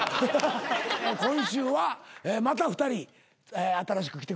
今週はまた２人新しく来てくれてな。